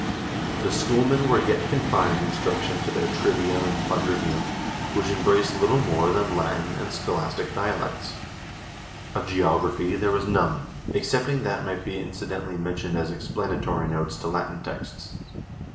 The schoolmen were yet confining instruction to their trivium and 1 The King's Mirror, oh. xix. LITERATURE AND CULTURE 451 quadrivium, which embraced little more than Latin and scholastic dialectics. Of geography there was none, excepting what might be incidentally mentioned as explanatory notes to Latin texts.